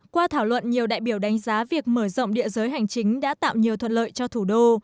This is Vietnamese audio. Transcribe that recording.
qua thảo luận nhiều đại biểu đánh giá việc mở rộng địa giới hành chính đã tạo nhiều thuận lợi cho thủ đô